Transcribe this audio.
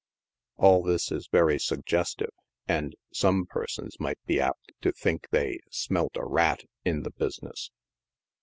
All this is very suggestive, and some persons might be apt to think they " smelt a rat" in the business.